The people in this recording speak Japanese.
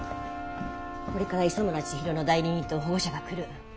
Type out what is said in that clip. これから磯村千尋の代理人と保護者が来る。